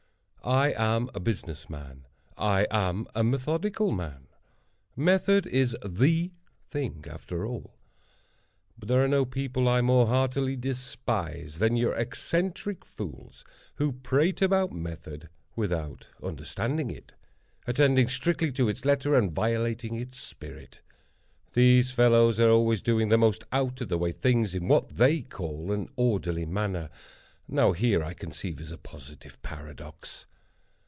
I am a business man. I am a methodical man. Method is the thing, after all. But there are no people I more heartily despise than your eccentric fools who prate about method without understanding it; attending strictly to its letter, and violating its spirit. These fellows are always doing the most out of the way things in what they call an orderly manner. Now here, I conceive, is a positive paradox.